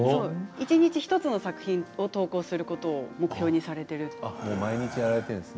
一日１作品を投稿することを目標にされているそうです。